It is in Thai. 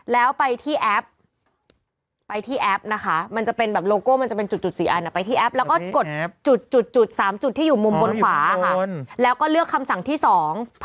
แล้วไปที่แอปมันจะเป็นแบบโลโก้มันจะเป็นจุด๔อันไปที่แอป